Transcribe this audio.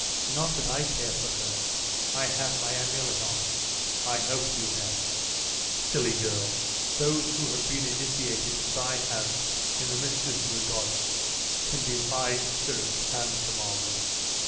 Not that I care for her; I have my amulet on. I hope you have?' 'Silly girl! Those who have been initiated as I have in the mysteries of the gods, can defy spirits and command them.